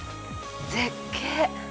絶景。